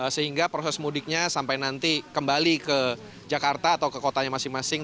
sehingga proses mudiknya sampai nanti kembali ke jakarta atau ke kotanya masing masing